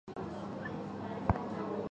圆形鳞斑蟹为扇蟹科鳞斑蟹属的动物。